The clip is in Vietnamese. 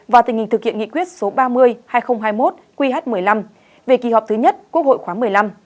và tình hình thực hiện nghị quyết số ba mươi hai nghìn hai mươi một qh một mươi năm về kỳ họp thứ nhất quốc hội khoáng một mươi năm